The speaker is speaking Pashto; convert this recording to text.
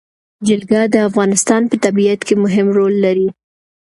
جلګه د افغانستان په طبیعت کې مهم رول لري.